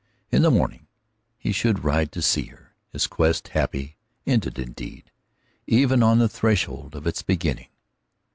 In the morning he should ride to see her, his quest happily ended, indeed, even on the threshold of its beginning.